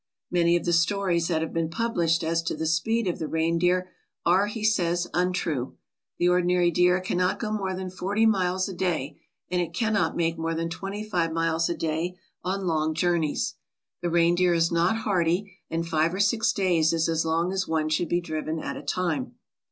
Many of the stories that have been published as to the speed of the reindeer are, he says, untrue. The ordinary deer cannot go more than forty miles a day, and it cannot make more than twenty five miles a day on long journeys. The reindeer is not hardy, and five or six days is as long as one should be driven at a time.